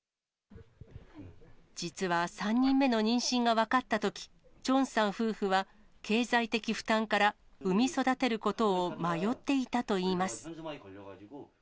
実は３人目の妊娠が分かったとき、チョンさん夫婦は、経済的負担から産み育てることを迷っていたといいます。